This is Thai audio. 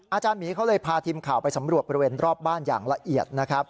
อาจารย์หมีเขาเลยพาทีมข่าวไปสำรวจบริเวณรอบบ้านอย่างละเอียดนะครับ